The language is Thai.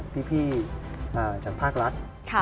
พี่จากภาครัฐ